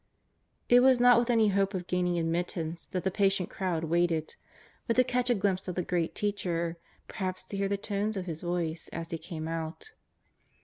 It was not with any hope of gaining ad mittance that the patient crowd waited, but to catch a glimpse of the great Teacher, perhaps to hear the tones of His voice as He came out.